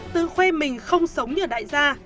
tự khuê mình không sống như đại gia